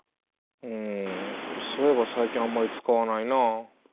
うんそういえば最近あんまり使わないなあ。